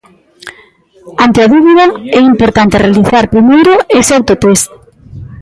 Ante a dúbida, é importante realizar primeiro ese autotest.